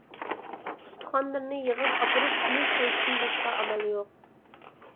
ئۇستىخانلىرىنى يىغىپ ئاپىرىپ كۆمۈپ قويۇشتىن باشقا ئامال يوق.